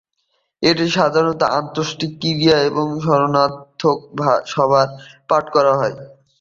এটি সাধারণত অন্ত্যেষ্টিক্রিয়া বা স্মরণার্থক সভায় পাঠ করা হয়।